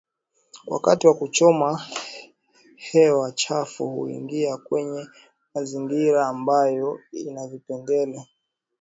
Wakati wa kuchoma hewa chafu huingia kwenye mazingira ambayo ina vipengele